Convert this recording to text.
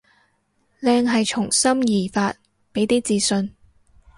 靚係從心而發，畀啲自信